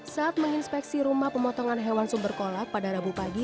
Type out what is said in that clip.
saat menginspeksi rumah pemotongan hewan sumber kolak pada rabu pagi